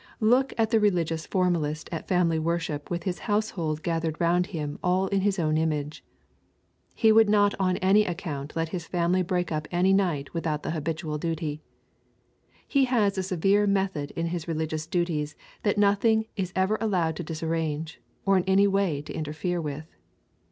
Look at the religious formalist at family worship with his household gathered round him all in his own image. He would not on any account let his family break up any night without the habitual duty. He has a severe method in his religious duties that nothing is ever allowed to disarrange or in any way to interfere with.